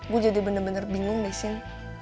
gue jadi bener bener bingung deh cin